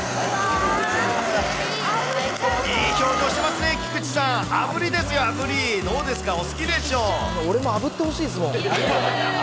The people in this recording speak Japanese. いい表情してますね、菊池さん、あぶりですよ、あぶり、どうです俺もあぶってほしいですもん。